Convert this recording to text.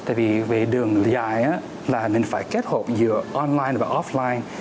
tại vì về đường dài mình phải kết hợp giữa online và offline